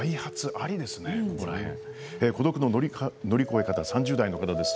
孤独の乗り越え方３０代の方です。